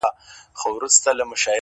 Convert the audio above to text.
مور مي خپه ده ها ده ژاړي راته.